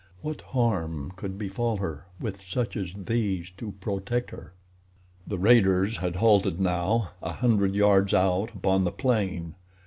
What harm could befall her with such as these to protect her? The raiders had halted now, a hundred yards out upon the plain.